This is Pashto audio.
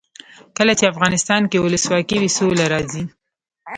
کله چې افغانستان کې ولسواکي وي سوله راځي.